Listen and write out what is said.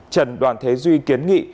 trần đoàn thế duy kiến nghị